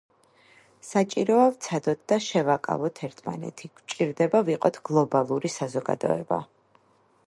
საჭიროა ვცადოთ და შევაკავოთ ერთმანეთი, გვჭირდება ვიყოთ გლობალური საზოგადოება.